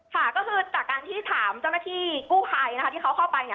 ค่ะก็คือจากการที่ถามเจ้าหน้าที่กู้ภัยนะคะที่เขาเข้าไปเนี่ย